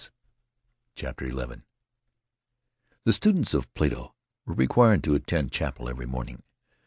CHAPTER XI he students of Plato were required to attend chapel every morning.